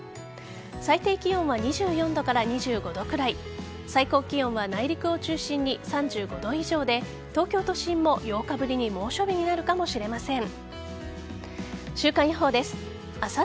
最低気温は２４度から２５度くらい最高気温は内陸を中心に３５度以上で東京都心も８日ぶりに猛暑日になるかもしれません。